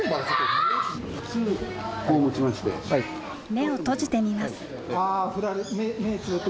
目を閉じてみます。